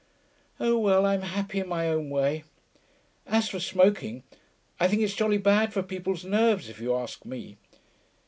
'Oh well, I'm happy in my own way.... As for smoking, I think it's jolly bad for people's nerves, if you ask me.